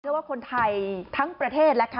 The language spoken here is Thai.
ว่าคนไทยทั้งประเทศแล้วค่ะ